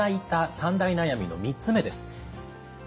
３大悩みの３つ目です。